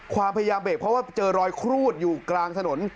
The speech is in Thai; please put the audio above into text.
ความพยายามเบรกเพราะว่าเจอรอยครูดอยู่กลางถนน